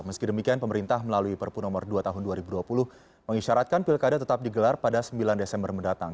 meski demikian pemerintah melalui perpu nomor dua tahun dua ribu dua puluh mengisyaratkan pilkada tetap digelar pada sembilan desember mendatang